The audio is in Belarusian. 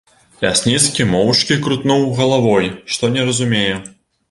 Лясніцкі моўчкі крутнуў галавой, што не разумее.